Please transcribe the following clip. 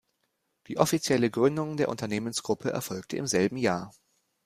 Die offizielle Gründung der Unternehmensgruppe erfolgte im selben Jahr.